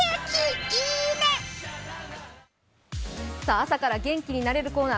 朝から元気になれるコーナー